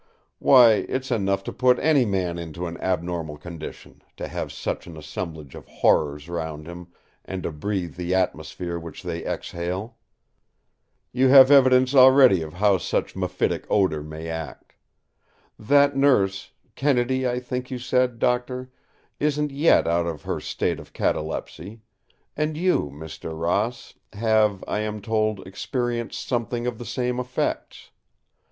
Why, it's enough to put any man into an abnormal condition, to have such an assemblage of horrors round him, and to breathe the atmosphere which they exhale. You have evidence already of how such mephitic odour may act. That nurse—Kennedy, I think you said, Doctor—isn't yet out of her state of catalepsy; and you, Mr. Ross, have, I am told, experienced something of the same effects.